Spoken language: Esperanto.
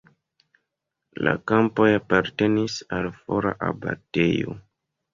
La kampoj apartenis al fora abatejo.